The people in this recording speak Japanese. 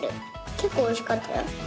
けっこうおいしかったよ。